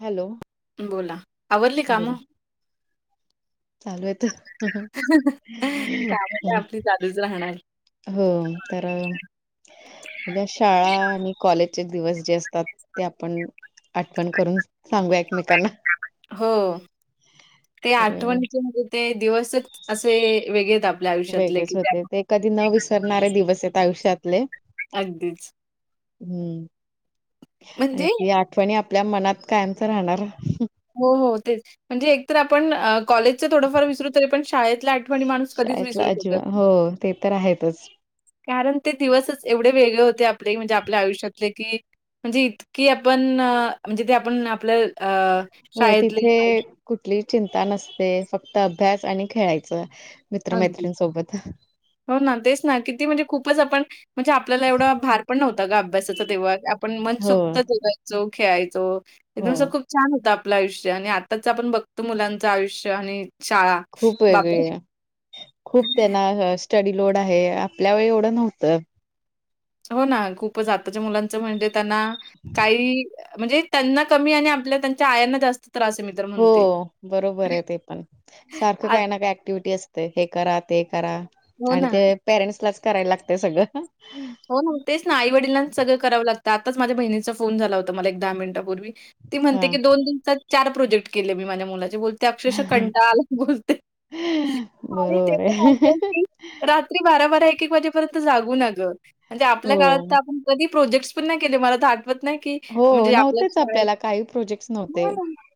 Hello. बोला आवरडली का बर म चालू आहेेत. कामं तर आपली चालूच राहणार. हो तर शाळा आणि कॉलेज. दिवस जे असतात ते आपण आठवण करून सांगू एकमेकांना हो ते तर आठवणीचेज. ते दिवसच असे वेगळेेत आपल्या आयुष्यातले वेगळेच की होते ते कधी न विसरणारे दिवस आहेतेत आयुष्यातले. अगदीच. हम्म आणि म्हणजे ते आठ आठवणी आपल्या मनात कायमच राहणार. हो हो तेच म्हणजे एकतर आपण कॉलेज थोडफार विसरूते पण शाळेतला आठवणी माणूस कधीच शाळेतला विसरू अजिवा शकत हो ते तर आहेतच कारण ते दिवसच एवढे वेगळे होते आपले म्हणजे आपल्या आयुष्यातले की म्हणजे इतकी आपण म्हणजे ते आपण आपल्या अ हो शाळेतले तिथे आयुष्य कुठली चिंता नसते फक्त अभ्यास आणि खेळायच. अगदी. मित्रैमैत्रीणसोबत. हो ना. तेच ना. किती म्हणजे खूपच आपण म्हणजे आपल्याला एवढा भार पण नव्हता ग, आभ्यासाचा तेव्हा. आपण मन हो सोक्त जगाय चो खेळायचो. हो एकदम अस खूप छान होत आपलं आयुष्य. आणि आताच आपण बघतो. मुलांचं आयुष्य, आणि शाळा. खूप वेगळी बापरे. खूप त्यांना स्टडी लोड आहे. आपल्या वेळी एवढं नव्हतं. हो ना. खूपच. आताच्या मुलांचं म्हणजे, त्यांना काही, म्हणजे त्यांना कमी. आणि आपल्या त्यांच्या, आयांना जास्त त्रासे. मित हो बरोबरे ते पण. सारखं आत काही ना काही ऍक्टिव्हटी असते. हे करा. ते करा. हो आणि ना. ते पेरेंट्स लाच करायला लागतय, सगळं. हो ना. तेच ना. आई वडलांना सगळं करावं लागतं. आताच माझ्या बहिणीचा फोन झाला होता मला. एक दहा मिनिटापूर्वी. ती म्हणते हा की, दोन दिवसात चार प्रोजेक्ट केले मी. माझ्या मुलाचे. बोल. ते अक्षरश कंटाळाला बोलते. आणि ते बरोबर पण आहे. अस की, रात्री बारा बारा एक एक वाजेपर्यंत जागू ना गं म्हणजे आपल्या हो काळात. तर आपण कधी प्रोजेक्ट् पण नाही केले. मला तर आठत नाही. कि हो म्हणजे, आपल्याच नव्हतेच शाळेत आपल्याला काही प्रोजेक्ट्स नव्हते [unintelligible]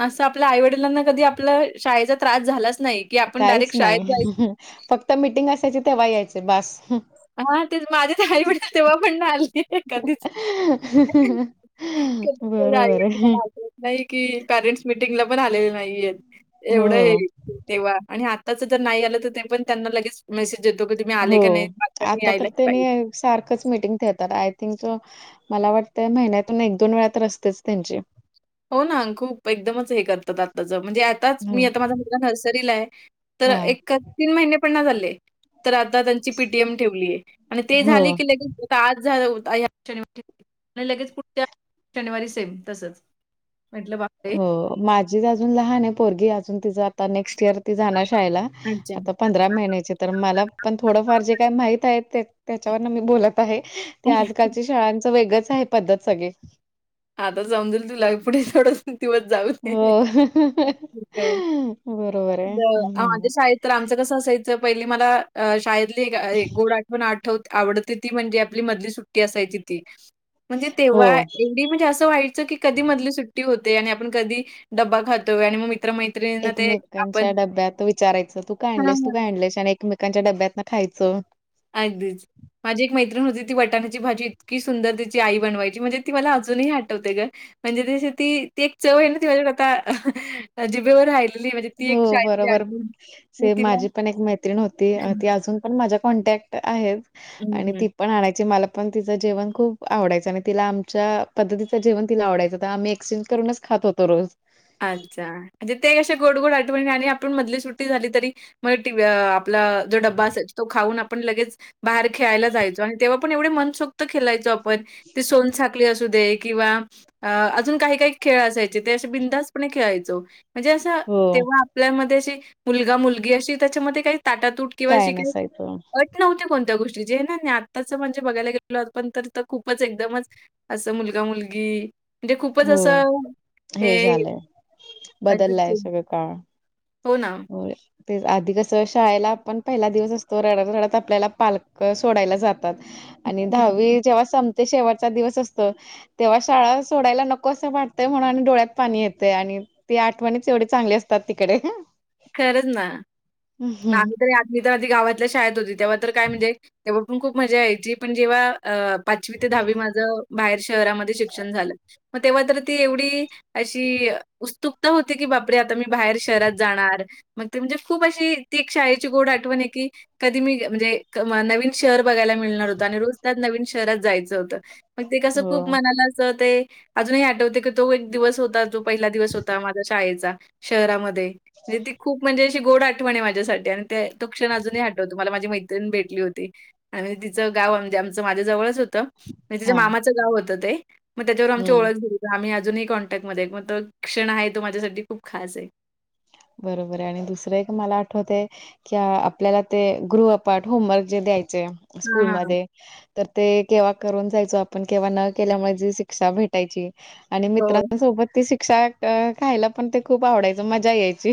असं आपल्या आई वडिलांना कधी, आपला शाळेचा त्रास झालाच नाही. की आपण काहीच डायरेक्ट शाळेत नाही. जायच फक्त मिीटिंग असायची तेव्हा यायचे, बास. हा तेच. माझेत आई वडील तेव्हा पण नाही आले. कधीच. आ बरोबर आहे [unintelligible] नाही की पॅरेंट्स मिीटिंगला पण आलेले नाहीये. हो. एवढं तेव्हा. आणि आ त्याच ज नाही आलं त. ते पण त्यांना लगेच मेसेज येतो. की तुम्ही हो आले का नाहीत. आता तर, तेनी सारखंच मिटिंग ठेेतात. आय थिंक सो मला वाटतंय. महिन्यातून एक दोन वेळा तर असतेच. त्यांची. हो ना. खूप. एकदमच हे करतात. आताचं म्हणजे आताच. मी आता माझा मुलगा नर्सरीलाय. तर हा एक तीन महिने पण नाही झाले. तर आता त्यांची पीटीएम ठेवलीये. आणि ते हो झाली की लगेच आज झालं होता. ह्या शनिवारी आणि लगेच पुढच्या शनिवारी सेम तसच. म्हटल बा हो. माझी अजून लहाने पोरगी. अजून तिचा आता नेक्स्ट इयर, ती जाणार शाळेला. आता अच्छा. पंधरा महिन्याचे तर, मला पण थोडंफार जे काय माहित आहे. त्याच्यावरन मी बोलत आहे. ते आजकालची शाळांचं वेगंच आहे. पद्धत सगळी. आता समजेल तुला. पुढ थडंस दिवस जाऊ हो दे. बरोबर आहे आ माझ हम्म शाळेत तर आमचं कसं असायचं. पहिले मला शाळेतली एक गोड आठवण, आठ वते, आवडती. ती म्हणजे आपली मधली सुट्टी असायची ती. म्हणजे तेव्हा हो म्हणजे असं व्हायच की, कधी मधली सुट्टी होते. आणि आपण कधी डबा खातोय. आणि मग मित्र मै एकमेकांच्या डब्यात. विचारायचं तू काय आणलेस. तू हां. काय आणलेस. आणि एकमेकांच्या डब्यात न खायचं. अगदीच. माझी एक मैत्रिण होती. ती वटान्याची भाजी इतकी सुंदर तीची आई बनवायची. म्हणजे ती मला अजूनही अठवते ग. म्हणजे ती ती एक चव आहे ना. ती माझ्याक आता जिबेवर हायली. हो बरोबर. मी सेम तिला माझी पण एक मैत्रिण होती. हं, ती अजून पण माझ्या कॉन्टॅक्ट आहेत. हं, आणि हं. ति पण आणायची. मला पण तिंच जेवण खूप आवडायचं. आणि तिला आमच्या पद्धतीच जेवन तिला आवडायं. त आम्ही एक्सचेंज करूनच खात होतो रोज. अच्छा. म्हणजे ते कसे गोड गोड आठवणी. आणि आपण मधली सुट्टी झाली तरी, मग आपला जो डब्बा असायचा. तो खाऊन आपण लगेच बाहेर खेळायला जायचो. आणि तेव्हा पण एवढे मनसोक्त खेलायचो आप पण ती सोनसाखली असू दे किंवा अजून काही काही खेळ असायचे ते असे बिंदच खेळायचो म्हणजे असं हो तेव्हा आपल्यामध्ये अशी मुलगा, मुलगी अशी त्याच्यामध्ये काही ताट तूट किंवा काय अशी काही नसायचं असुरक्षि नव्हती कोणत्या गोष्टी जे ना आत्ताचं म्हणजे बघायला गेलो पण तर खूपच एकदमच असं मुलगा मुलगी म्हणजे खूपच हो असं हे, अगदीच. बदललाय सगळं काळ हो ना. आता होय. ते आधी कसं शाळेला आपण पहिला दिवस असतो रडत, रडत आपल्याला पालक सोडायला जात. आणि दहावी जेव्हा संपते शेवटचा दिवस असतो तेव्हा शाळा सोडायला नको असं वाटतंय म्हणून आणि डोळ्यात पाणी येते आणि तती आठवणीच एवढे चांगली असतात तिकडे खरंच ना मग हम्म, आम्ही तर मी तर आधी गावातल्या शाळेत होती तेव्हा तर काय म्हणजे तेव्हा पण खूप मजा यायची पण जेव्हा अ पाचवी ते दहावी माझ बाहेर शहरामध्ये शिक्षण झालं मग तेव्हा तर ती एवढी अशी उत्सुकता होते की बापरे आता मी बाहेर शहरात जाणार. ग म्हणजे खुप अशी ती शाळेची गोड आठवण की कधी मी म्हणजे नवीन, शहर बघायला मिळणार होतं आणि रोज त्यात नवीन शहरात जायचं होतं. मग ते कसं खूप हो मनाला अस ते अजूनही आठवते की तो एक दिवस होता तो पहिला दिवस होता माझ्या शाळेचा शहरामध्ये म्हणजे ती खूप म्हणजे अशी गोड आठवण आहे माझ्यासाठी आणि ते तो क्षण अजूनही आठवतो मला माझी मैत्रीण भेटली होती. आणि तिचं गाव म्हणजे आमचं माझ्या जवळच होतं. म्हणजे त्याच्या हा मामाचं गाव होतं ते मग त्याच्यावर आमची हम्म ओळख झाली. आम्ही अजूनही कॉन्टॅक्टमध्येध्ये मग क्षण आहे तो माझ्यासाठी खूप खास आहे. बरोबर आहे आणि दुसरं एक मला आठवते. किंवा आपल्याला ते गृहपाठ होमवर्क जे द्यायचे हां, हां. स्कूलमध्ये तर ते केव्हा करून जायचो आपण केव्हा न केल्यामुळे जी शिक्षा भेटायची. आणि हो. मित्रांसोबत ती शिक्षा खायला पण ते खूप आवडायचं मजा यायची.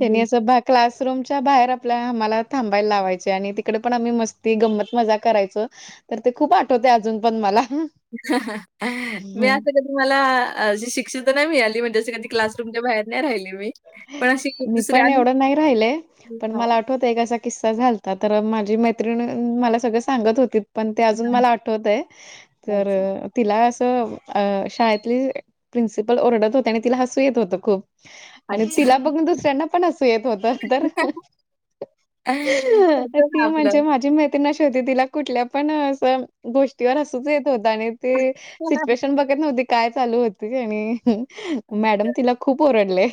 तेनि असं बा क्लासरूमच्या बाहेर आपल्या, आम्हाला थांबायला लावायचे आणि तिकडे पण आम्ही मस्ती, गंमत, मजा करायचो. तर ते खूप आठवते अजून पण मला हा हा मी अस कधी मला अशी शिक्षा तर नाही मिळाली म्हणजे जशी कधी क्लासरूमच्या बाहेर नाही राहिली मी पण अशी मी दुसरी पण आणि एवढं नाही राहिले पण मला हां, आठवत. एक असा किस्सा झालता तर माझी मैत्रिण मला सगळं सांगत होती. पण ते अजून हां. मला आठवत आहे अच्छा, तर तिला असं शाळेतली प्रिन्सिपल ओरडत होत्या आणि तिला हसू येत होत खूप आणि अच्छा. तिला बघून दुसऱ्यांना पण असू येत होत तर हा होतं ती ना म्हणजे आपलं. माझी मैत्रीण अशी होती तिला कुठल्या पण अस गोष्टीवर हसूच येत होत आणि ती सिच्युएशन बघत नव्हती, काय चालू होती आणि अच्छा, मॅडम तिला खूप ओरडले.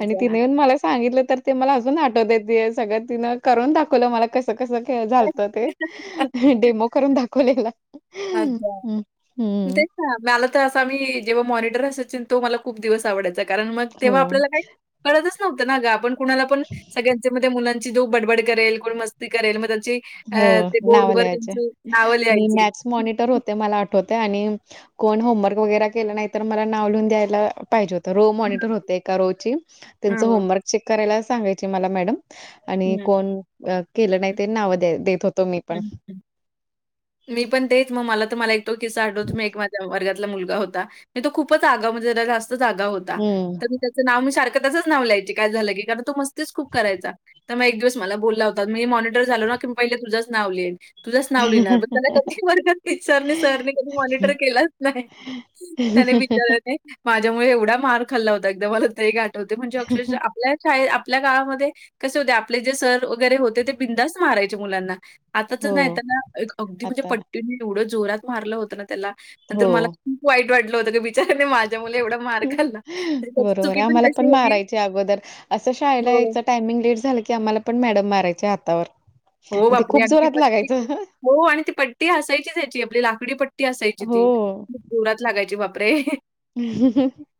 आणि तिने मला सांगितलं तर ते मला अजून आठवतय द सगळं तिनं करून दाखवलं मला कस कस कस झालत ते डेमो करून दाखवलेला. अच्छा हम्म ते मला तर असं मी जेव्हा मॉनिटर असायची तो मला खूप दिवस आवडायचा कारण मग हो तेव्हा आपल्याला काय कळतच नव्हतं ना ग आपण कुणाला पण सगळ्यांच्या मध्ये मुलांना की जो बडबड करेल गुण मस्ती करेल मग त्यांची हो अ, ते नाव बोर्डवर लिहायचे नावं मी लिहायची. मॅक्स मॉनिटर होते ते मला आठवते आणि कोण होमवर्क वगैरे केलं नाही तर मला नाव लिहून द्यायला. पाहिजे होत रो मॉनटर होते एका रो त्यांच हं, होमवर्क चेक करायला सांगायची मला मॅडम आणि हं, कोण केलं नाही ते नाव द देत होत. हम मी पण तेच मग मला तर मला एक तो किसा आठवतो एक माझ्या वर्गातला मुलगा होता. म तो खूपच आगाव म्हणजे जास्त आगाव होता तर, हम्म त्याचं नाव मी सारख त्याच नाव लिहायची काय झालं की कारण तो मस्तीच खूप करायचा. तर मग एक दिवस मला बोलला होता मी मॉनीटर झालो ना की मी पहिल तुझच नाव लिहीन. तुझंच नाव लिहिणार पण त्याना कधीच त्याला टीचचरने सरने कधीच मॉनिटर केलच नाही. त्याने विचाराने, माझ्यामुळे एवढा मार खाल्ला होता एकदा मला ते आठवते म्हणजे अक्षरशा आपल्या शाळ आपल्या गावामध्ये कसे होते आपले जे सर वगैरे होते ते बिंदस मारायचे मुलांना आताच हो नाही त्याला एक अगदी म्हणजे आता पट्टीनी एवढं जोरात मारलं होतं ना त्याला नंतर हो मला खुप वाट वाटलं होतं. बिचाऱ्याने माझ्यामुळे एवढा मार खाल्ला. तर त्याची बरोबर चुकी आहे आम्हाला कशी पण होती मारायचे अगोदर असं शाळेला हो. यायचं टायमिंग लेट झालं की आम्हाला पण मॅडम मारायचे हातावर हो, ते बापरे! खूप आणि ती जोरात पट्टी लागायचं. हो आणि ती पट्टी असायचीच हची आपली लाकडी पट्टी असायची हो. ती. जोरात लागायचे बापरे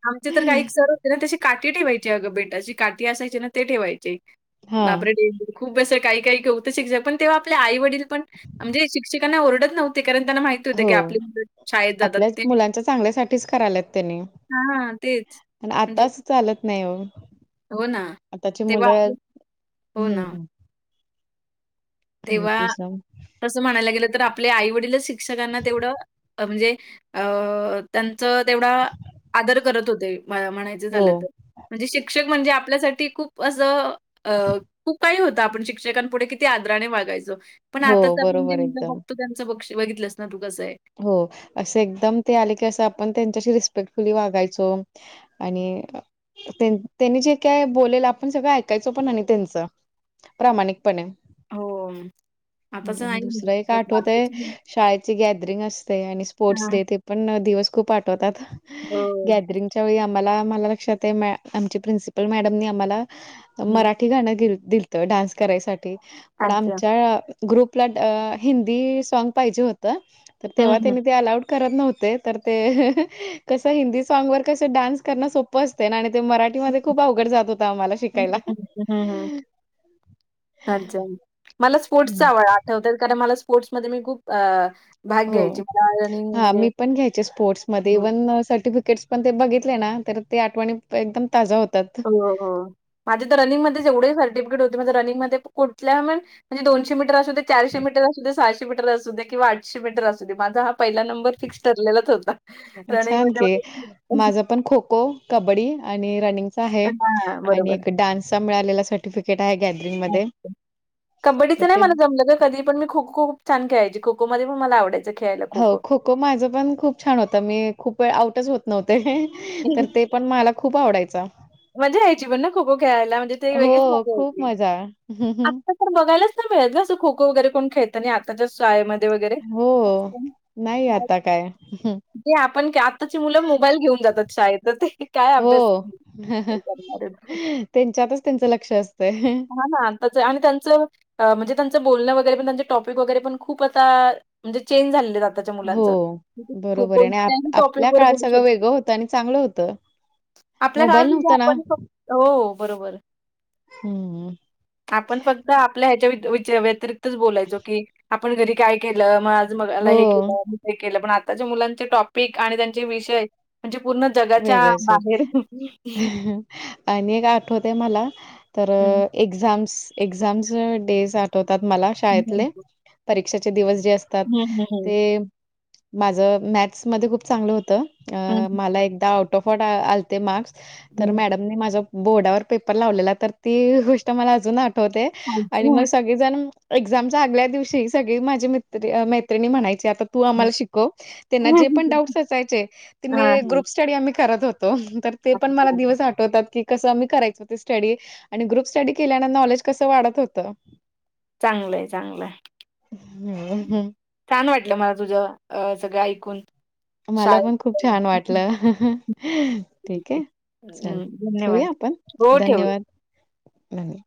आमचे तर काही सर त्याशी काठी ठेवायची अगं बेटाची काठी असायची ना ते ठेवायचे हां. बापरे डेंजर खूप अस काही काही शिक्षक पण तेव्हा आपल्या आई वडील पण म्हणजे शिक्षकांना ओरडत नव्हते कारण त्यांना माहिती होतं हो की आपली मुलं शाळेत जातात आपल्याच ते मुलांच्या चांगल्यासाठीच कराल्या त त्यांनी हां, तेच. म्हणजे आताच चालत नाही हो, हो ना. आताची तेव्हा आपले मुलं हो ना. हम्म तेव्हा दुसरं तसं म्हणायला गेलं तर आपले आईवडीलच शिक्षकांना तेवढं म्हणजे अ त्यांच तेवढा आदर करत होते म्हणायचं हो. झालं तर म्हणजे शिक्षक म्हणजे आपल्यासाठी खूप असं अ खूप काही होतं आपण शिक्षकांपुढे किती आदराने वागायचं पण आताच हो. आपण जे बरोबर मुलं एकदम. बघतो त्यांचं लक्ष बघितलंस ना तू कसं आहे. हो असं एकदम ते आले की असं आपण त्यांच्याशी रिस्पेक्टफुली वागायचो. आणि त्यांनी जे काय बोलेल आपण सगळं ऐकायचो पण आणि त्यांचं प्रामाणिक पणे हो. आताचं आणि नाही दुसरं एक तसं आठवत आहे आताची मुलं शाळेची गॅ स्पोर्ट्स हां. डे ते दिवस पण खूप आठवतात. हो. [unintelligible] प्रिन्सिपल मॅड आम्हा हं. मरा ठी गाणं ग दिलत डान्स करायसाठी पण अच्छा. आमच्या ग्रुपला हिंदी सॉग पाहिजे होत तर हं, तेव्हा हं. त्यांनी ते अलाउड करत नव्हते तर ते कस हिंदी सॉग वर कस डान्स करणं सोपं असते ना आणि ते मराठी हिंदी मध्ये खूप अवघड जात होत आम्हाला शिकायला. हम्म हम् आच्या मला स्पोर्ट्सच्या हम्म. आवड कारण मला स्पोर्ट्समध्ये मी खूप भाग हो घ्यायची. मला रनिंग हा म्हणजे मी पण घ्यायचे स्पोर्ट्समध्ये हं. इव्हन सर्टिफिकेट पण ते बघितले ना तर ते आठवणी एकदम ताज्या होतात. हो हो माझे तर रनिंगमध्ये एवढे सर्टिफिकेट होते माझ रनिंगमध्ये कुटल्या पण म्हणजे दोनशे मिटर चारशे मीटर असुदे सहाशे मीटर असू द्या किंवा आठशे मीटर असू दे माझा हा पहिला नंबर फिक्स ठरलेलाच होता. छान रनिंगमध्ये की, मला माझा पण खो खो, कबड्डी आणि रनिंग आहे हां, आणि बरोबर. एक डान्सचा मिळालेला सर्टिफिकेट आहे गॅदरिंग मध्ये कबड्डीच नाही मला जमलं गं कधी पण मी खो खू छान खेळायची खो खोमध्ये पण मला आवडयचं. हो खो खो माझं पण खूप छान होतं मी खूप वेळ आऊटच होत नव्हते तर ते पण मला खूप आवडायचा. मज्जा यायची पण ना खो खो खेळायला म्हणजे ते हो, वेगळीच मजा खूप यायची मजा. आता पण बघायलाच नाही मिळत जस खो खो वगैरे कोण खेळताना नाही. असतात शाळेत मध्ये वगैरे हो. नाही आता काय. ते आपण काय आताची मुलं मोबाईल घेऊन जातात शाळेत ते काय हो. अभ्यास करणारे. त्यांच्यातच त्यांचं लक्ष असतंय. हा ना आताच आणि त्यांचं म्हणजे त्यांचं बोलणं वगैरे पण त्यांच टॉपिक वगैरे पण खूप आता म्हणजे चेंज झाल्याल आाताच्या मुलांच हो, बरोबर आहे आणि आप कोणत्याही टॉपिक वर बोलू शकतो. तर आपल्या काळातसुद्धा आपणत हो बरोबर. हम्म! आपण फक्त आपल्या ह्याच्या व्यति व्यच व्यतिरिक्तच बोलायचो की आपण घरी काय केलं मग आज बघायला हो, हे केल ते केल पण आताच्या मुलांचे टॉपिक आणि त्यांचे विषय म्हणजे पूर्ण जगाच्या वेगळंच आहे. बाहेर आणि एक आठवते मला तर हं, एक्झाम्स एक्झाम्स डेज आठवतात मला हं, शाळेतले परीक्षेचे दिवस जे अस तर हं, हं, हं. ते माझ मॅथ्स मध्ये खूप चांगलं हं, होत मला एक ते आउट ऑफ ऑल आलते मार्क्स तर हं. मॅडम मी माझ बोर्डावर पेपर लावलेला तर ती गोष्ट मला अजून आठवते आणि मग अच्छा. मी जणू एक्झामच्या आदल्या दिवशी सगळी माझी मित्रे आण मैत्रिणी म्हणायच्यात. तु हं. आम्हाला शिकव त्यांना जे पण डाउट्स असायचे ते मी हां, हं. ग्रुप स्टडी आम्ही करत होत. तो ते पण मला दिवस आठवतात की कसं आम्ही करायच ते स्टडी आणि ग्रुप स्टडी केल्यान नॉलेज कसं वाढत होत. चांगलं हाय चांगलं हाय! हं. छान वाटलं मला तुझं अ सगळं ऐकून. मला शाळेत पण खूप छान वाटलं ठीक हाय. चल हं, धन्यवाद. ठेवूया आपण हो ठेव धन्यवाद! नाही.